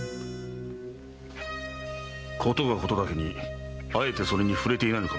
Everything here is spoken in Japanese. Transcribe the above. ことがことだけにあえてそれに触れていないのかも。